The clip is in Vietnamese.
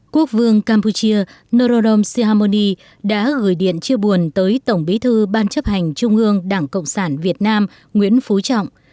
quốc vương campuchia norodom sihamoni đã gửi điện chia buồn tới tổng bí thư ban chấp hành trung ương đảng cộng sản việt nam nguyễn phú trọng